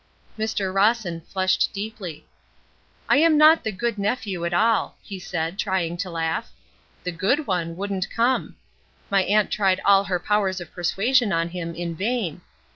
Mr. Rawson flushed deeply. "I am not the 'good nephew' at all," he said, trying to laugh. "The 'good one' wouldn't come. My aunt tried all her powers of persuasion on him in vain.